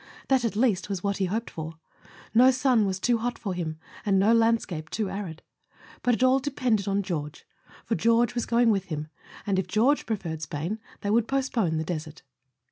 That at least was what he hoped for: no sun was too hot for him and no landscape too arid. But it all depended on George; for George was going with him, and if George preferred Spain they would postpone the desert.